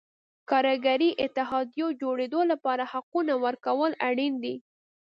کارګري اتحادیو جوړېدو لپاره حقونو ورکول اړین دي.